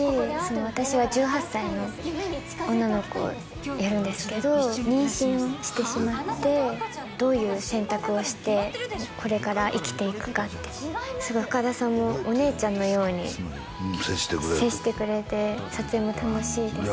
私は１８歳の女の子をやるんですけど妊娠をしてしまってどういう選択をしてこれから生きていくかっていうすごい深田さんもお姉ちゃんのように接してくれて撮影も楽しいですね